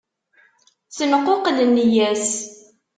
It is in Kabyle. Tenquqel nneyya-s.